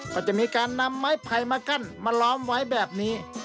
ก็จะมีการนำไม้ไผ่มากั้นมาล้อมไว้แบบนี้